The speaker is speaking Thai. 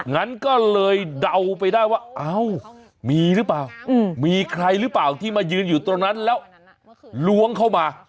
งั้นก็เลยเดาไปได้ว่าเอ้ามีหรือเปล่ามีใครหรือเปล่าที่มายืนอยู่ตรงนั้นแล้วล้วงเข้ามา